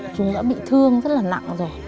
chúng đã bị thương rất là nặng rồi